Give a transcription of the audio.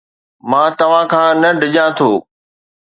مان توهان کان نه ڊڄان ٿو